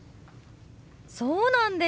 そうなんですか！